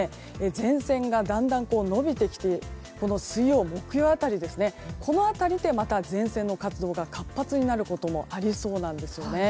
前線がだんだん延びてきて水曜、木曜日辺りでまた前線の活動が活発になることもありそうなんです。